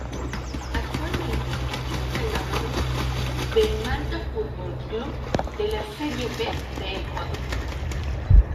Actualmente es entrenador del Manta Fútbol Club de la Serie B de Ecuador.